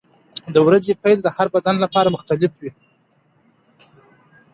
د ورځې پیل د هر بدن لپاره مختلف وي.